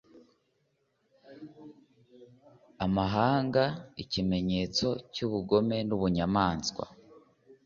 amahanga ikimenyetso cy'ubugome n'ubunyamaswa